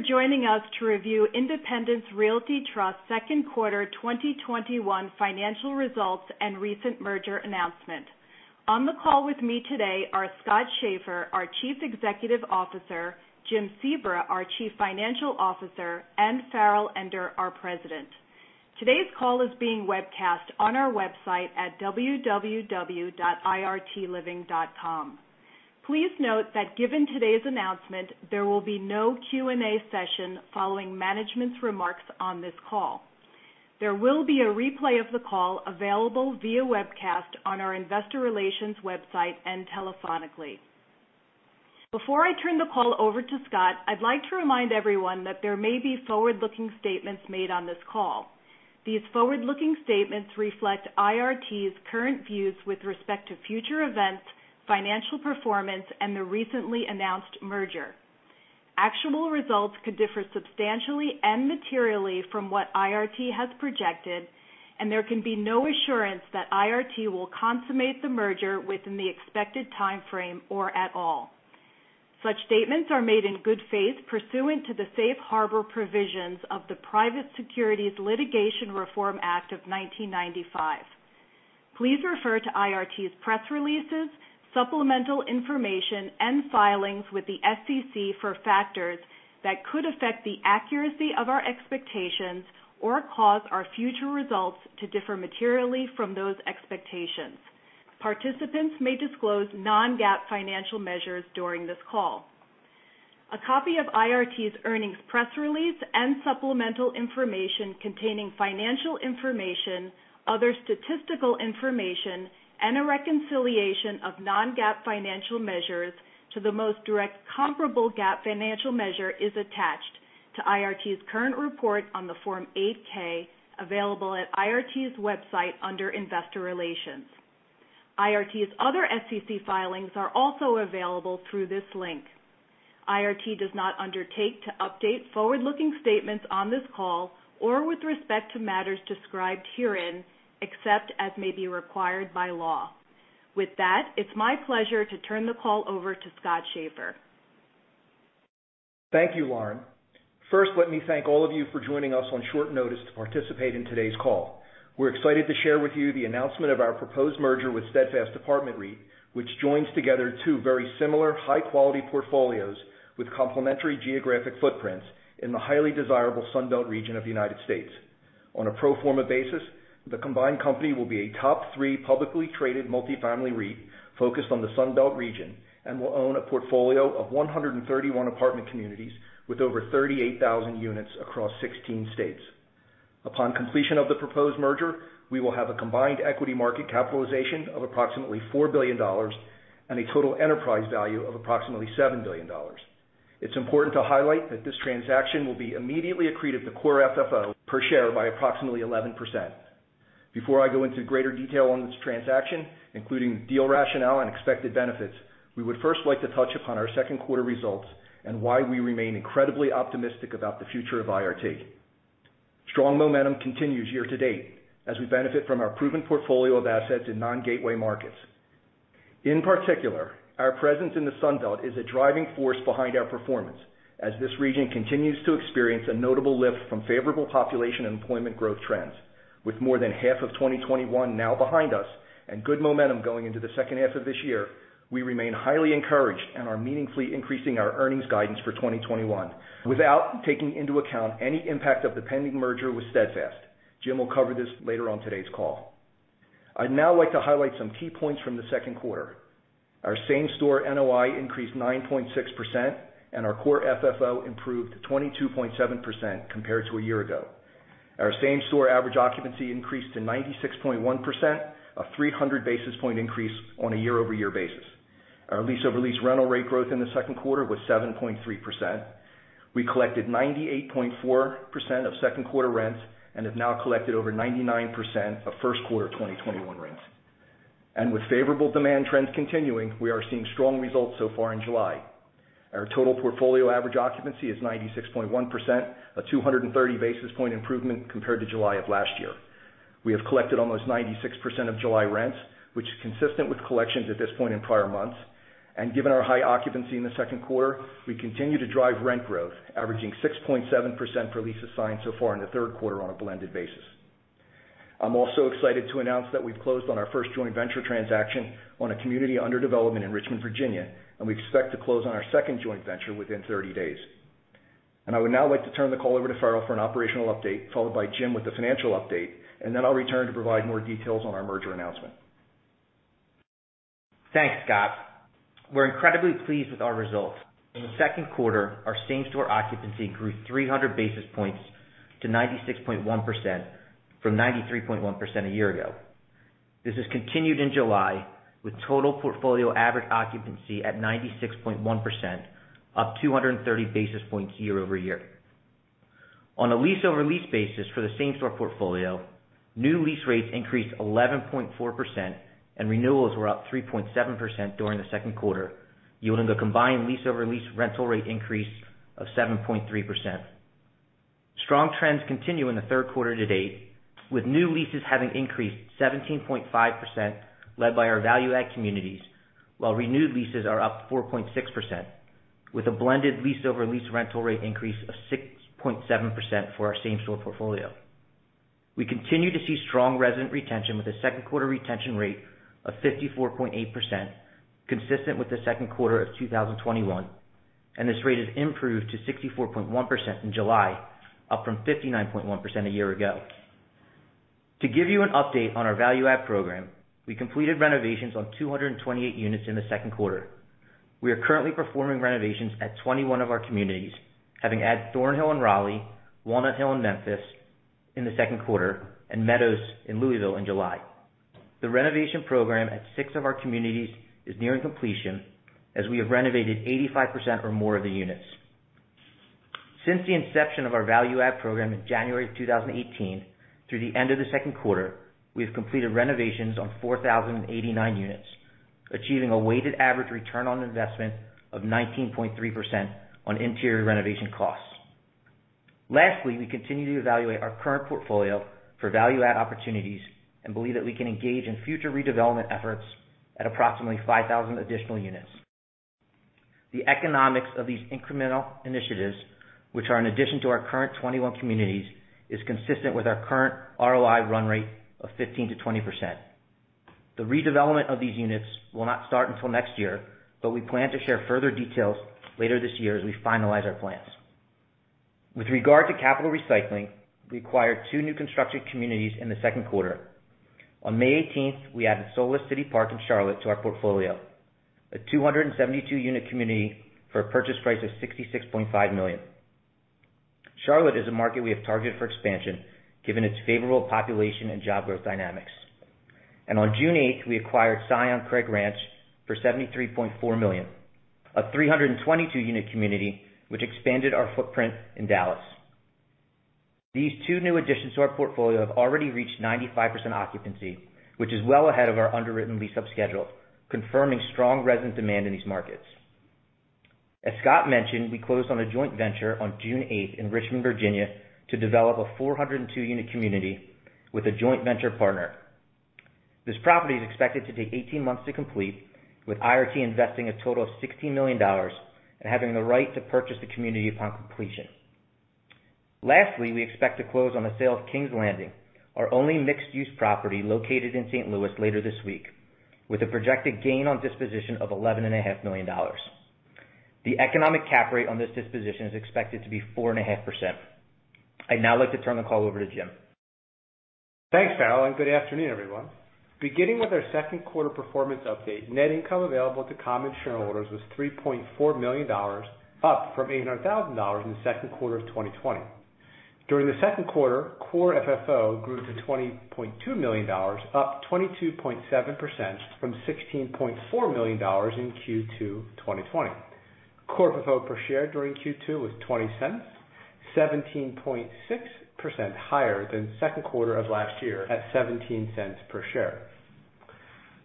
Thank you for joining us to review Independence Realty Trust second quarter 2021 financial results and recent merger announcement. On the call with me today are Scott Schaeffer, our Chief Executive Officer, Jim Sebra, our Chief Financial Officer, and Farrell Ender, our President. Today's call is being webcast on our website at www.irtliving.com. Please note that given today's announcement, there will be no Q&A session following management's remarks on this call. There will be a replay of the call available via webcast on our investor relations website and telephonically. Before I turn the call over to Scott, I'd like to remind everyone that there may be forward-looking statements made on this call. These forward-looking statements reflect IRT's current views with respect to future events, financial performance, and the recently announced merger. Actual results could differ substantially and materially from what IRT has projected, and there can be no assurance that IRT will consummate the merger within the expected timeframe or at all. Such statements are made in good faith pursuant to the safe harbor provisions of the Private Securities Litigation Reform Act of 1995. Please refer to IRT's press releases, supplemental information, and filings with the SEC for factors that could affect the accuracy of our expectations or cause our future results to differ materially from those expectations. Participants may disclose non-GAAP financial measures during this call. A copy of IRT's earnings press release and supplemental information containing financial information, other statistical information, and a reconciliation of non-GAAP financial measures to the most direct comparable GAAP financial measure is attached to IRT's current report on the Form 8-K available at IRT's website under investor relations. IRT's other SEC filings are also available through this link. IRT does not undertake to update forward-looking statements on this call or with respect to matters described herein, except as may be required by law. With that, it's my pleasure to turn the call over to Scott Schaeffer. Thank you, Lauren. First, let me thank all of you for joining us on short notice to participate in today's call. We're excited to share with you the announcement of our proposed merger with Steadfast Apartment REIT, which joins together two very similar high-quality portfolios with complementary geographic footprints in the highly desirable Sun Belt region of the U.S. On a pro forma basis, the combined company will be a top three publicly traded multifamily REIT focused on the Sun Belt region and will own a portfolio of 131 apartment communities with over 38,000 units across 16 states. Upon completion of the proposed merger, we will have a combined equity market capitalization of approximately $4 billion and a total enterprise value of approximately $7 billion. It's important to highlight that this transaction will be immediately accretive to Core FFO per share by approximately 11%. Before I go into greater detail on this transaction, including deal rationale and expected benefits, we would first like to touch upon our second quarter results and why we remain incredibly optimistic about the future of IRT. Strong momentum continues year to date as we benefit from our proven portfolio of assets in non-gateway markets. In particular, our presence in the Sun Belt is a driving force behind our performance, as this region continues to experience a notable lift from favorable population and employment growth trends. With more than half of 2021 now behind us and good momentum going into the second half of this year, we remain highly encouraged and are meaningfully increasing our earnings guidance for 2021 without taking into account any impact of the pending merger with Steadfast. Jim will cover this later on today's call. I'd now like to highlight some key points from the second quarter. Our same store NOI increased 9.6%, and our Core FFO improved 22.7% compared to a year ago. Our same store average occupancy increased to 96.1%, a 300 basis point increase on a year-over-year basis. Our lease over lease rental rate growth in the second quarter was 7.3%. We collected 98.4% of second quarter rents and have now collected over 99% of first quarter 2021 rents. With favorable demand trends continuing, we are seeing strong results so far in July. Our total portfolio average occupancy is 96.1%, a 230 basis point improvement compared to July of last year. We have collected almost 96% of July rents, which is consistent with collections at this point in prior months. Given our high occupancy in the second quarter, we continue to drive rent growth, averaging 6.7% for leases signed so far in the third quarter on a blended basis. I'm also excited to announce that we've closed on our first joint venture transaction on a community under development in Richmond, Virginia, and we expect to close on our second joint venture within 30 days. I would now like to turn the call over to Farrell for an operational update, followed by Jim with the financial update, and then I'll return to provide more details on our merger announcement. Thanks, Scott. We're incredibly pleased with our results. In the second quarter, our same store occupancy grew 300 basis points to 96.1% from 93.1% a year ago. This has continued in July with total portfolio average occupancy at 96.1%, up 230 basis points year-over-year. On a lease-over-lease basis for the same store portfolio, new lease rates increased 11.4% and renewals were up 3.7% during the second quarter, yielding a combined lease-over-lease rental rate increase of 7.3%. Strong trends continue in the third quarter to date, with new leases having increased 17.5%, led by our value-add communities, while renewed leases are up 4.6%, with a blended lease-over-lease rental rate increase of 6.7% for our same store portfolio. We continue to see strong resident retention with a second quarter retention rate of 54.8%, consistent with the second quarter of 2021, and this rate has improved to 64.1% in July, up from 59.1% a year ago. To give you an update on our Value Add program, we completed renovations on 228 units in the second quarter. We are currently performing renovations at 21 of our communities, having added Thornhill in Raleigh, Walnut Hill in Memphis in the second quarter, and Meadows in Louisville in July. The renovation program at six of our communities is nearing completion as we have renovated 85% or more of the units. Since the inception of our Value Add program in January 2018 through the end of the second quarter, we have completed renovations on 4,089 units, achieving a weighted average ROI of 19.3% on interior renovation costs. Lastly, we continue to evaluate our current portfolio for value add opportunities and believe that we can engage in future redevelopment efforts at approximately 5,000 additional units. The economics of these incremental initiatives, which are an addition to our current 21 communities, is consistent with our current ROI run rate of 15%-20%. The redevelopment of these units will not start until next year, but we plan to share further details later this year as we finalize our plans. With regard to capital recycling, we acquired 2 new construction communities in the second quarter. On May 18th, we added Solis City Park in Charlotte to our portfolio, a 272-unit community for a purchase price of $66.5 million. Charlotte is a market we have targeted for expansion given its favorable population and job growth dynamics. On June 8th, we acquired Cyan Craig Ranch for $73.4 million, a 322-unit community which expanded our footprint in Dallas. These two new additions to our portfolio have already reached 95% occupancy, which is well ahead of our underwritten lease-up schedule, confirming strong resident demand in these markets. As Scott mentioned, we closed on a joint venture on June 8th in Richmond, Virginia, to develop a 402-unit community with a joint venture partner. This property is expected to take 18 months to complete, with IRT investing a total of $60 million and having the right to purchase the community upon completion. Lastly, we expect to close on the sale of Kings Landing, our only mixed-use property located in St. Louis, later this week with a projected gain on disposition of $11.5 million. The economic cap rate on this disposition is expected to be 4.5%. I'd now like to turn the call over to Jim. Thanks, Farrell, and good afternoon, everyone. Beginning with our second quarter performance update, net income available to common shareholders was $3.4 million, up from $800,000 in the second quarter of 2020. During the second quarter, Core FFO grew to $20.2 million, up 22.7% from $16.4 million in Q2 2020. Core FFO per share during Q2 was $0.20, 17.6% higher than second quarter of last year at $0.17 per share.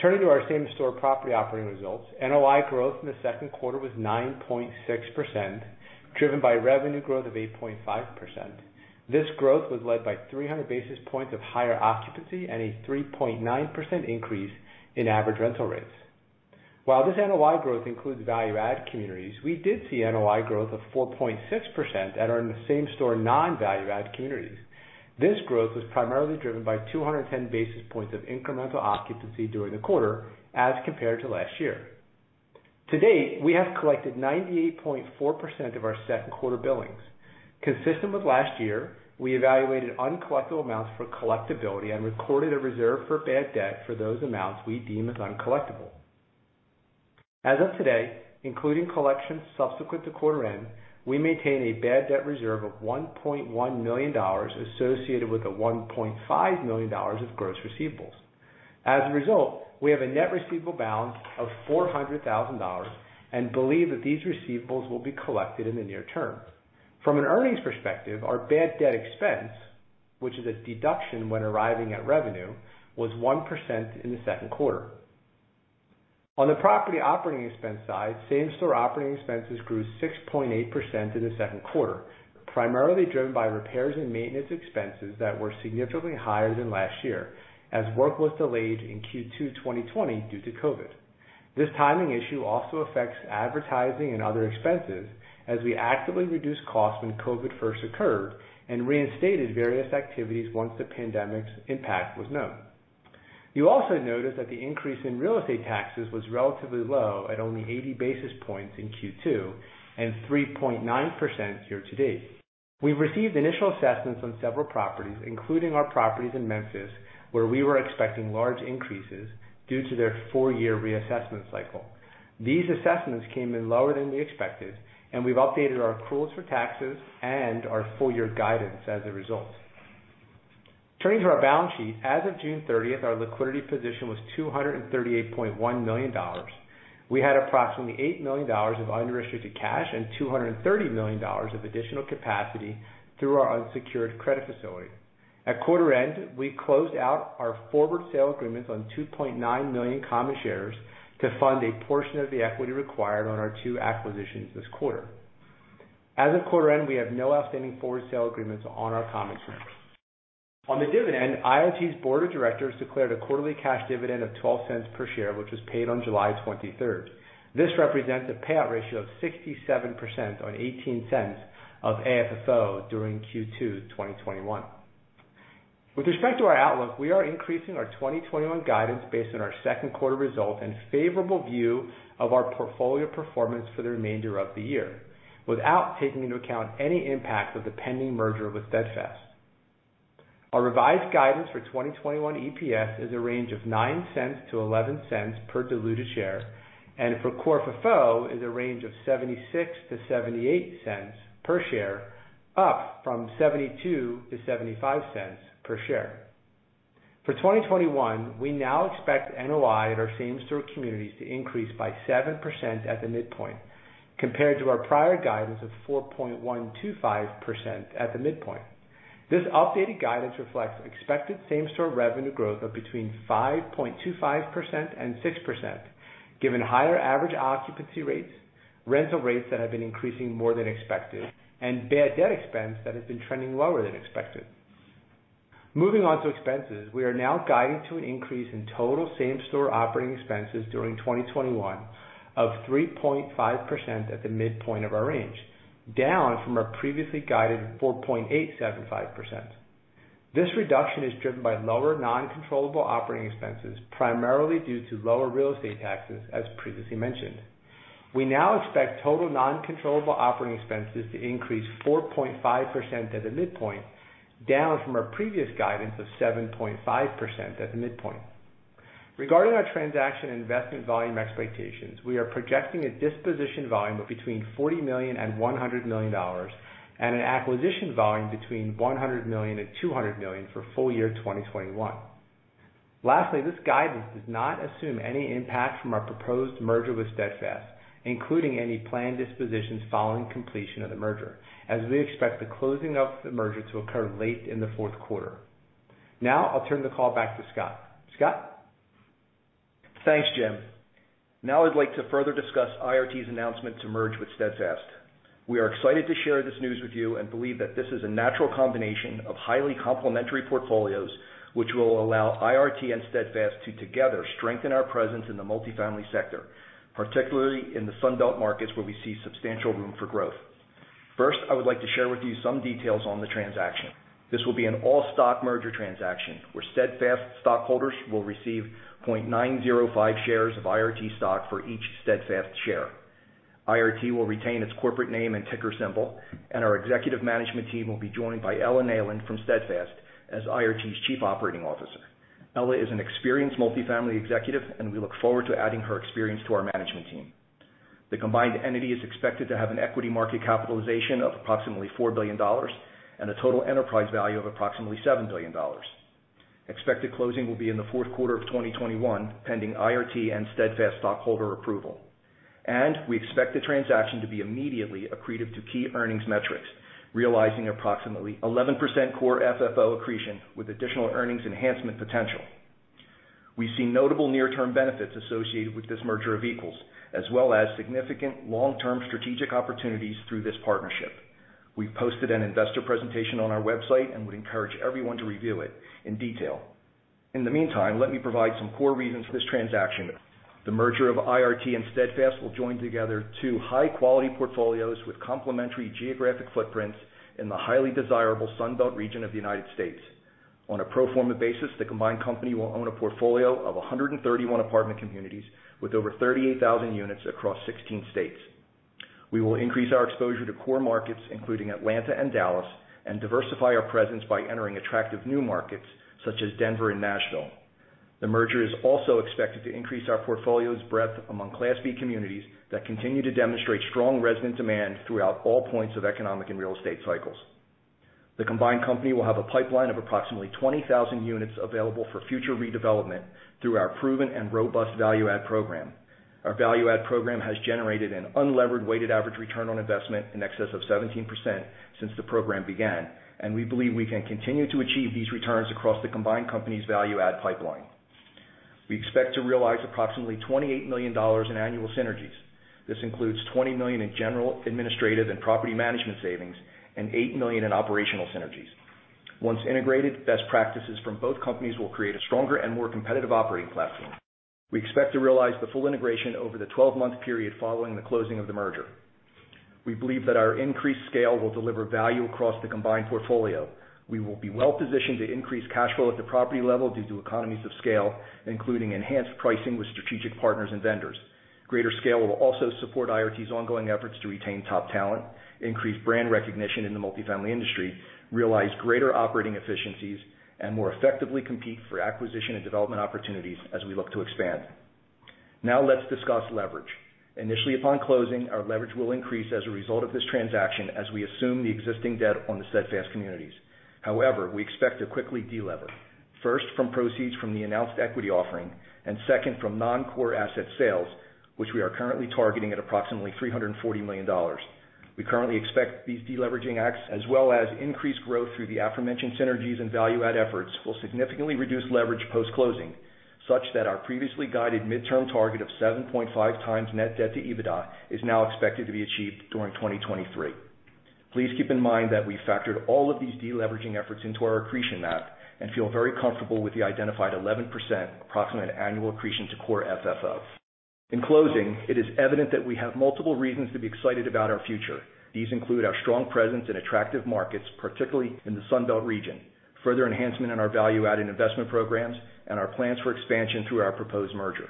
Turning to our same store property operating results, NOI growth in the second quarter was 9.6%, driven by revenue growth of 8.5%. This growth was led by 300 basis points of higher occupancy and a 3.9% increase in average rental rates. While this NOI growth includes value add communities, we did see NOI growth of 4.6% that are in the same store non-value add communities. This growth was primarily driven by 210 basis points of incremental occupancy during the quarter as compared to last year. To date, we have collected 98.4% of our second quarter billings. Consistent with last year, we evaluated uncollectible amounts for collectibility and recorded a reserve for bad debt for those amounts we deem as uncollectible. As of today, including collections subsequent to quarter end, we maintain a bad debt reserve of $1.1 million associated with the $1.5 million of gross receivables. As a result, we have a net receivable balance of $400,000 and believe that these receivables will be collected in the near term. From an earnings perspective, our bad debt expense, which is a deduction when arriving at revenue, was 1% in the second quarter. On the property operating expense side, same store operating expenses grew 6.8% in the second quarter, primarily driven by repairs and maintenance expenses that were significantly higher than last year as work was delayed in Q2 2020 due to COVID. This timing issue also affects advertising and other expenses as we actively reduced costs when COVID first occurred and reinstated various activities once the pandemic's impact was known. You also notice that the increase in real estate taxes was relatively low at only 80 basis points in Q2 and 3.9% year to date. We received initial assessments on several properties, including our properties in Memphis, where we were expecting large increases due to their four-year reassessment cycle. These assessments came in lower than we expected. We've updated our accruals for taxes and our full year guidance as a result. Turning to our balance sheet, as of June 30th, our liquidity position was $238.1 million. We had approximately $8 million of unrestricted cash and $230 million of additional capacity through our unsecured credit facility. At quarter end, we closed out our forward sale agreements on 2.9 million common shares to fund a portion of the equity required on our two acquisitions this quarter. As of quarter end, we have no outstanding forward sale agreements on our common shares. On the dividend, IRT's board of directors declared a quarterly cash dividend of $0.12 per share, which was paid on July 23rd. This represents a payout ratio of 67% on $0.18 of AFFO during Q2 2021. With respect to our outlook, we are increasing our 2021 guidance based on our second quarter results and favorable view of our portfolio performance for the remainder of the year, without taking into account any impact of the pending merger with Steadfast. Our revised guidance for 2021 EPS is a range of $0.09-$0.11 per diluted share. For Core FFO is a range of $0.76-$0.78 per share, up from $0.72-$0.75 per share. For 2021, we now expect NOI at our same store communities to increase by 7% at the midpoint compared to our prior guidance of 4.125% at the midpoint. This updated guidance reflects expected same store revenue growth of between 5.25% and 6%, given higher average occupancy rates, rental rates that have been increasing more than expected, and bad debt expense that has been trending lower than expected. Moving on to expenses, we are now guiding to an increase in total same store operating expenses during 2021 of 3.5% at the midpoint of our range, down from our previously guided 4.875%. This reduction is driven by lower non-controllable operating expenses, primarily due to lower real estate taxes, as previously mentioned. We now expect total non-controllable operating expenses to increase 4.5% at the midpoint, down from our previous guidance of 7.5% at the midpoint. Regarding our transaction investment volume expectations, we are projecting a disposition volume of between $40 million and $100 million, and an acquisition volume between $100 million and $200 million for full year 2021. Lastly, this guidance does not assume any impact from our proposed merger with Steadfast, including any planned dispositions following completion of the merger, as we expect the closing of the merger to occur late in the fourth quarter. Now I'll turn the call back to Scott. Scott? Thanks, Jim. I'd like to further discuss IRT's announcement to merge with Steadfast. We are excited to share this news with you and believe that this is a natural combination of highly complimentary portfolios, which will allow IRT and Steadfast to together strengthen our presence in the multifamily sector, particularly in the Sun Belt markets where we see substantial room for growth. I would like to share with you some details on the transaction. This will be an all-stock merger transaction where Steadfast stockholders will receive 0.905 shares of IRT stock for each one Steadfast share. IRT will retain its corporate name and ticker symbol, and our executive management team will be joined by Ella Neyland from Steadfast as IRT's Chief Operating Officer. Ella is an experienced multifamily executive, and we look forward to adding her experience to our management team. The combined entity is expected to have an equity market capitalization of approximately $4 billion and a total enterprise value of approximately $7 billion. Expected closing will be in the fourth quarter of 2021, pending IRT and Steadfast stockholder approval. We expect the transaction to be immediately accretive to key earnings metrics, realizing approximately 11% Core FFO accretion with additional earnings enhancement potential. We see notable near-term benefits associated with this merger of equals, as well as significant long-term strategic opportunities through this partnership. We've posted an investor presentation on our website and would encourage everyone to review it in detail. In the meantime, let me provide some core reasons for this transaction. The merger of IRT and Steadfast will join together two high-quality portfolios with complementary geographic footprints in the highly desirable Sun Belt region of the United States. On a pro forma basis, the combined company will own a portfolio of 131 apartment communities with over 38,000 units across 16 states. We will increase our exposure to core markets, including Atlanta and Dallas, and diversify our presence by entering attractive new markets such as Denver and Nashville. The merger is also expected to increase our portfolio's breadth among Class B communities that continue to demonstrate strong resident demand throughout all points of economic and real estate cycles. The combined company will have a pipeline of approximately 20,000 units available for future redevelopment through our proven and robust value add program. Our value add program has generated an unlevered weighted average return on investment in excess of 17% since the program began, and we believe we can continue to achieve these returns across the combined company's value add pipeline. We expect to realize approximately $28 million in annual synergies. This includes $20 million in general administrative and property management savings and $8 million in operational synergies. Once integrated, best practices from both companies will create a stronger and more competitive operating platform. We expect to realize the full integration over the 12-month period following the closing of the merger. We believe that our increased scale will deliver value across the combined portfolio. We will be well-positioned to increase cash flow at the property level due to economies of scale, including enhanced pricing with strategic partners and vendors. Greater scale will also support IRT's ongoing efforts to retain top talent, increase brand recognition in the multifamily industry, realize greater operating efficiencies, and more effectively compete for acquisition and development opportunities as we look to expand. Let's discuss leverage. Initially upon closing, our leverage will increase as a result of this transaction as we assume the existing debt on the Steadfast communities. We expect to quickly delever. First from proceeds from the announced equity offering, and second from non-core asset sales, which we are currently targeting at approximately $340 million. We currently expect these deleveraging acts as well as increased growth through the aforementioned synergies and value add efforts will significantly reduce leverage post-closing, such that our previously guided midterm target of 7.5 times net debt to EBITDA is now expected to be achieved during 2023. Please keep in mind that we factored all of these deleveraging efforts into our accretion math and feel very comfortable with the identified 11% approximate annual accretion to Core FFO. In closing, it is evident that we have multiple reasons to be excited about our future. These include our strong presence in attractive markets, particularly in the Sun Belt region, further enhancement in our value add and investment programs, and our plans for expansion through our proposed merger.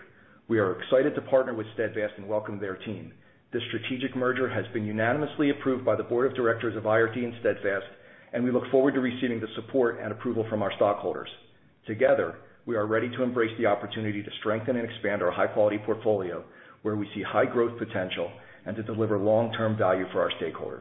We are excited to partner with Steadfast and welcome their team. This strategic merger has been unanimously approved by the board of directors of IRT and Steadfast, and we look forward to receiving the support and approval from our stockholders. Together, we are ready to embrace the opportunity to strengthen and expand our high-quality portfolio where we see high growth potential and to deliver long-term value for our stakeholders.